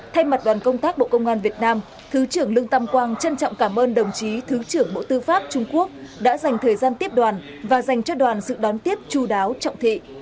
thay mặt đoàn công tác bộ công an việt nam thứ trưởng lương tâm quang trân trọng cảm ơn đồng chí thứ trưởng bộ tư pháp trung quốc đã dành thời gian tiếp đoàn và dành cho đoàn sự đón tiếp chú đáo trọng thị